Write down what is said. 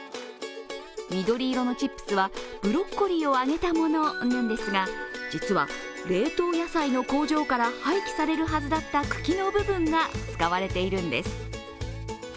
緑色のチップスは、ブロッコリーを揚げたものなんですが、実は冷凍野菜の工場から廃棄されるはずだった茎の部分が、使われているんです。